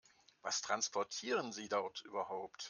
Was transportieren Sie dort überhaupt?